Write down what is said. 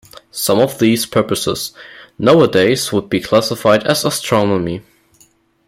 Some of these purposes nowadays would be classified as astronomy.